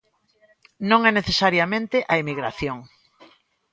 Non é necesariamente a emigración.